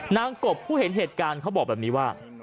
กบผู้เห็นเหตุการณ์เขาบอกแบบนี้ว่า